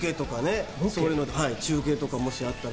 中継とか、もしあったら。